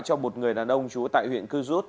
cho một người đàn ông chú tại huyện cư rút